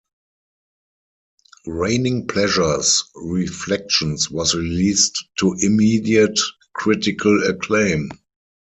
Raining Pleasure's "Reflections" was released to immediate critical acclaim.